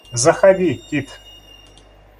Заходи, Тит!